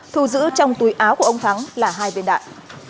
thu giữ trong túi áo của ông thắng là hai viên đạn